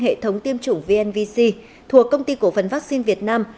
hệ thống tiêm chủng vnvc thuộc công ty cổ phần vắc xin việt nam